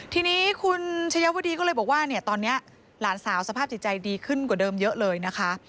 ทีนี้คุณชายวดีก็เลยบอกว่าเนี่ยตอนนี้หลานสาวสภาพจิตใจดีขึ้นกว่าเดิมเยอะเลยนะคะ